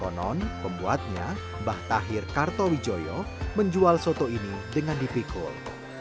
konon pembuatnya mbah tahir kartowijoyo menjual soto ini dengan dipikul